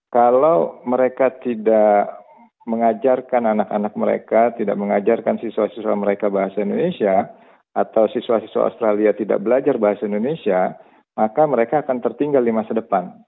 kalau mereka tidak mengajarkan anak anak mereka tidak mengajarkan siswa siswa mereka bahasa indonesia atau siswa siswa australia tidak belajar bahasa indonesia maka mereka akan tertinggal di masa depan